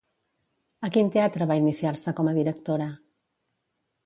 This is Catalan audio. A quin teatre va iniciar-se com a directora?